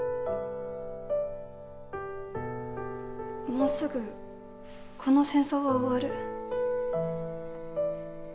もうすぐこの戦争は終わる。